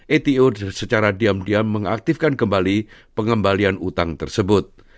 ato secara diam diam mengaktifkan kembali pengembalian utang tersebut